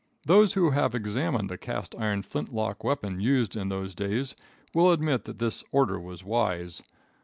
Those who have examined the cast iron flint lock weapon used in those days will admit that this order was wise.